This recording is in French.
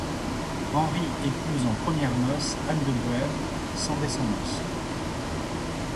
Henri épouse en premières noces Anne de Bohême, sans descendance.